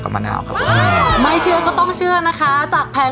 โปรดติดตามต่อไป